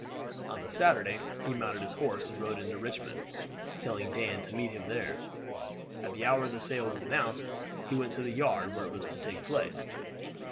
On the Saturday he mounted his horse and rode into Richmond, telling Dan to meet him there. At the hour the sale was announced he went to the yard where it was to take place.